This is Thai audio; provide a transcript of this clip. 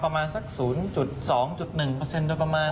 ประมาณสัก๐๒๑โดยประมาณ